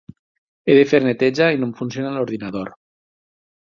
He de fer la neteja i no em funciona l'ordinador.